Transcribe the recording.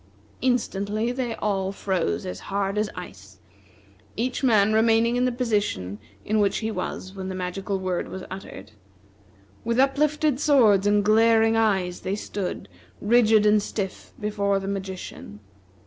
Instantly, they all froze as hard as ice, each man remaining in the position in which he was when the magical word was uttered. With uplifted swords and glaring eyes they stood, rigid and stiff, before the magician.